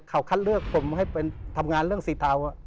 เขาคัดเลือกผมให้เป็นทำงานเรื่องสีเทา